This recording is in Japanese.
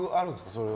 それは。